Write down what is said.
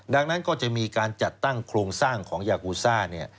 ดังนั้นก็จะมีการจัดตั้งโครงสร้างของยากูซ่าเนี่ย